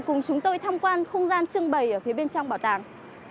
cùng chúng tôi tham quan không gian trưng bày ở phía bên trong bảo tàng